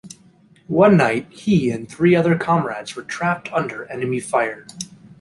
One night, he and three other comrades were trapped under enemy fire.